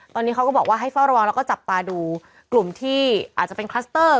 ตอนนี้เขาก็บอกว่าให้เฝ้าระวังแล้วก็จับตาดูกลุ่มที่อาจจะเป็นคลัสเตอร์